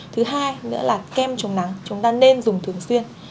thứ hai nữa là kem chống nắng chúng ta nên dùng thường xuyên